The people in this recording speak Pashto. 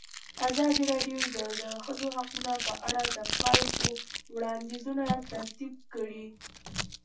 ازادي راډیو د د ښځو حقونه په اړه د خلکو وړاندیزونه ترتیب کړي.